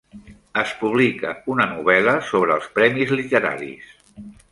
Es publica una novel·la sobre els premis literaris